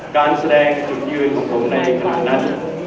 การแสดงการถูกยืนของผมในนั้น